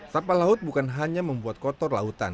sampah laut bukan hanya membuat kotor lautan